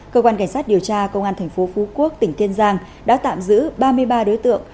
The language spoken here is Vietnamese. cơ quan cảnh sát điều tra công an tp phú quốc tỉnh kiên giang đã tạm giữ ba mươi ba đối tượng